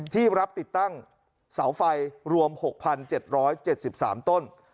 ที่รับติดตั้งเสาไฟรวม๖๗๗๓ต้น